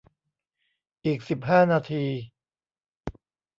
อีกสิบห้านาที